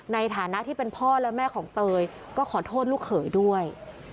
ในฐานะที่เป็นพ่อและแม่ของเตยก็ขอโทษลูกเขยด้วย